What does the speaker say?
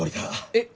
えっ？